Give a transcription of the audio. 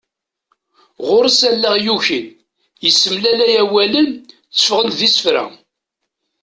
Ɣur-s allaɣ yukin, yessemlalay awalen tteffɣen-d d isefra.